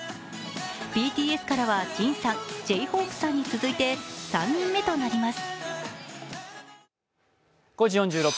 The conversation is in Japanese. ＢＴＳからはＪＩＮさん、Ｊ−ＨＯＰＥさんに続いてグループから３人目となります。